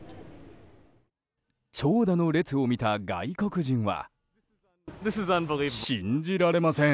長蛇の列を見た外国人は。